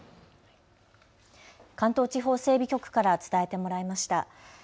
関東地方整備局から伝えてもらいました。